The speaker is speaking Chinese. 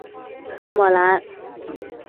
圣莫兰。